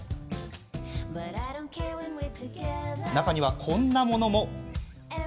中には、こんなものも。